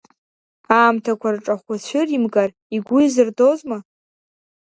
Аамҭақәа рҿахәы цәыримгар, игәы изырдозма?